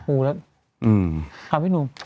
อืมครับพี่หนุ่ม